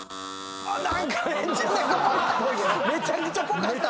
めちゃくちゃぽかった。